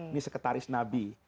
ini sekretaris nabi